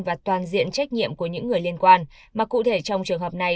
và toàn diện trách nhiệm của những người liên quan mà cụ thể trong trường hợp này